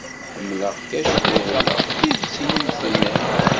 Ḥemmleɣ-k acku ɣileɣ d tidet i iyi-d-tenniḍ.